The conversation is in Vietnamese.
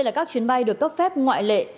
là các chuyến bay được cấp phép ngoại lệ